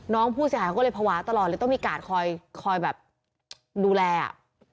น้องผู้เสียหายเขาก็เลยภาวะตลอดเลยต้องมีกาดคอยแบบดูแลอ่ะ